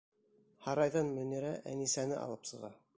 Һарайҙан Мөнирә Әнисәне алып сыға.